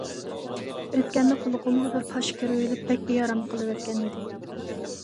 ئۆتكەندە قۇلىقىمغا بىر پاشا كىرىۋېلىپ بەك بىئارام قىلىۋەتكەن ئىدى.